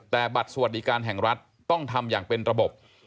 แต่บัตรสวัสดิการแห่งรัฐต้องทำอย่างเป็นระบบ